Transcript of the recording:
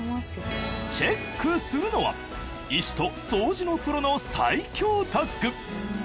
チェックするのは医師と掃除のプロの最強タッグ！